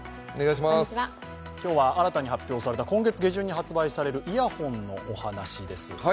今日は新たに発表された今月下旬に発売されるイヤホンのお話です。